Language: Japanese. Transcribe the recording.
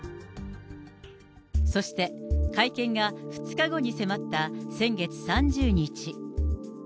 そして、会見が２日後に迫った先月３０日。